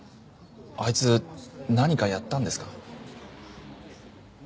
あいつ何かやったんですか？